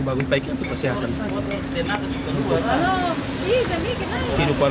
bukan kesehatan dompet